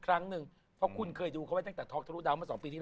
ครั้งหนึ่งเพราะคุณเคยดูเขาไว้ตั้งแต่ท็อกทะลุดาวมา๒ปีที่แล้ว